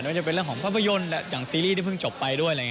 ว่าจะเป็นเรื่องของภาพยนตร์จากซีรีส์ที่เพิ่งจบไปด้วย